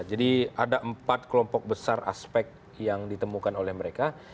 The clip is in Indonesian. jadi ada empat kelompok besar aspek yang ditemukan oleh mereka